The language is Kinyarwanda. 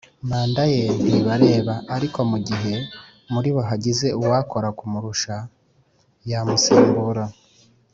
Mandaye ntibareba , Ariko mugihe muribo hagize uwakora kumurusha yamusimbura